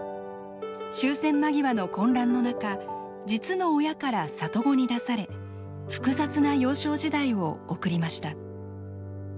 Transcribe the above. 終戦間際の混乱の中実の親から里子に出され複雑な幼少時代を送りました。